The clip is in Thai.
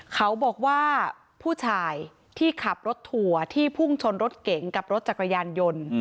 เขาบอกว่าผู้ชายที่ขับรถทัวร์ที่พุ่งชนรถเก๋งกับรถจักรยานยนต์